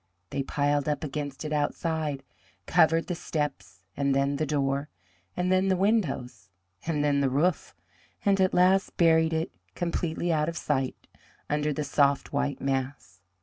They piled up against it outside, covered the steps, and then the door, and then the windows, and then the roof, and at last buried it completely out of sight under the soft, white mass.